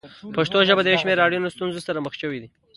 پښتو ژبه د یو شمېر اړینو ستونزو سره مخ شوې ده.